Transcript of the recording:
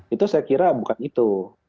itu saya kira bukan itu